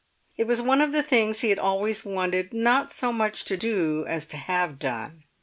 It was one of the things he had always wanted not so much to do as to have done.